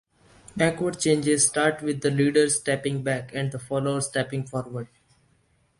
Backward changes start with the leader stepping back and the follower stepping forward.